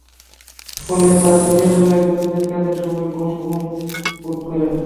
ফলে তাঁরা দিনের বেলায় দৈনন্দিন কাজের সময় ঘুম ঘুম বোধ করেন।